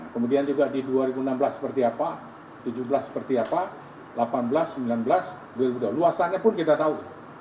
kemudian juga di dua ribu enam belas seperti apa tujuh belas seperti apa delapan belas sembilan belas dua ribu dua puluh luasannya pun kita tahu